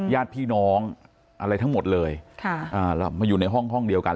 ญาติพี่น้องอะไรทั้งหมดเลยมาอยู่ในห้องห้องเดียวกัน